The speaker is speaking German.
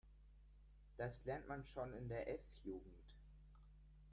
Das lernt man schon in der F-Jugend.